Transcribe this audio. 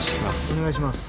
お願いします。